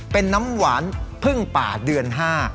เป็นน้ำหวานพึ่งป่าเดือน๕